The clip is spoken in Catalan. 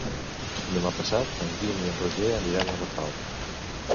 Demà passat en Guim i en Roger aniran a Rafal.